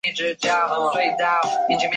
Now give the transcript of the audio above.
生于隆庆五年。